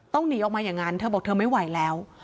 หนีออกมาอย่างนั้นเธอบอกเธอไม่ไหวแล้ว